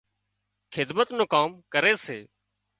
خدمت نُون ڪام ڪري سي